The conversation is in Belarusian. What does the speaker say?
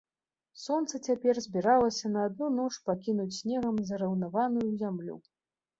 Сонца цяпер збіралася на адну ноч пакінуць снегам зараўнаваную зямлю.